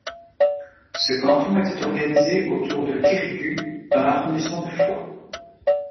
Ce canton était organisé autour de Quérigut dans l'arrondissement de Foix.